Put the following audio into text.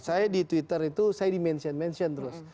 saya di twitter itu saya di mention mention terus